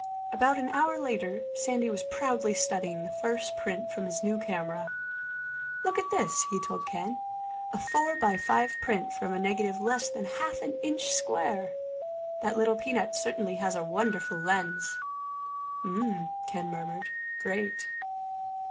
About an hour later Sandy was proudly studying the first print from his new camera. "Look at this," he told Ken. "A four by five print from a negative less than half an inch square! That little peanut certainly has a wonderful lens." "Mmm," Ken murmured. "Great."